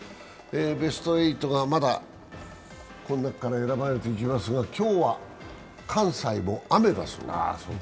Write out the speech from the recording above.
ベスト８がまだこの中から選ばれていきますが今日は関西も雨だそうです。